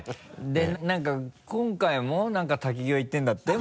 で何か今回も滝行行ってるんだって？